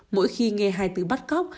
mỗi khi nghe hai từ bắt cóc